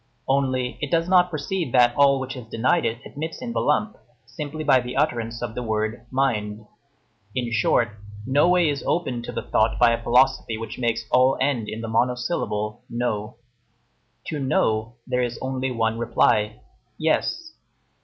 Only, it does not perceive that all which it has denied it admits in the lump, simply by the utterance of the word, mind. In short, no way is open to the thought by a philosophy which makes all end in the monosyllable, No. To No there is only one reply, Yes.